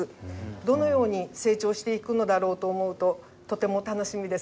どのように成長していくのだろうと思うととても楽しみです。